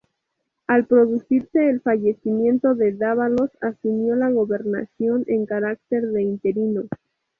Al producirse el fallecimiento de Dávalos, asumió la gobernación en carácter de interino.